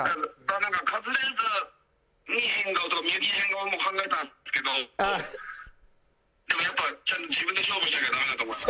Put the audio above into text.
「なんかカズレーザーの変顔とか幸の変顔も考えたんですけどでもやっぱちゃんと自分で勝負しなきゃダメだと思った」